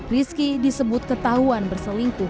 rizki disebut ketahuan berselingkuh